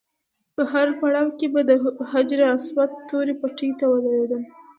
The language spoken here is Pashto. په هر پړاو کې به د حجر اسود تورې پټۍ ته ودرېدم.